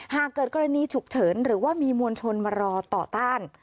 หากเกิดกรณีฉุกเฉินหรือว่ามีมวลชนมารอต่อต้าน